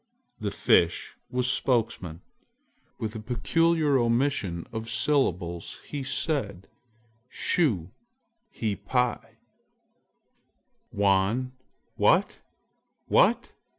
The Fish was spokesman. With a peculiar omission of syllables, he said: "Shu... hi pi!" "Wan! what? what?"